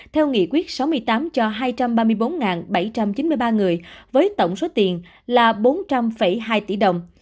theo nghị quyết sáu mươi tám cho hai trăm ba mươi bốn bảy trăm chín mươi ba người với tổng số tiền là bốn trăm linh hai tỷ đồng